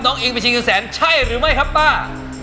น้องอิงเป็นชิคกี้พายแสนใช่หรือไม่ครับป้า